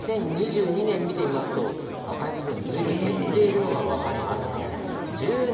２０２２年を見てみますと赤い部分がずいぶん減っていますね。